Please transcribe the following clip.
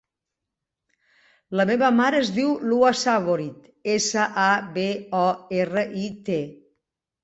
La meva mare es diu Lua Saborit: essa, a, be, o, erra, i, te.